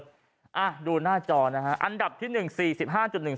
อ่ะดูหน้าจอนะฮะอันดับที่หนึ่งสี่สิบห้าจุดหนึ่ง